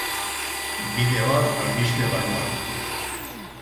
Bideoa, albiste barruan.